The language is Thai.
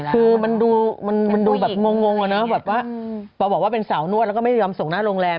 คือมันดูแบบงงนะแบบว่าเป็นสาวนวดแล้วก็ไม่ยอมส่งหน้าโรงแรม